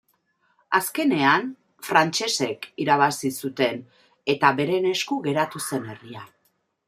Azkenean, frantsesek irabazi zuten eta beren esku geratu zen herria.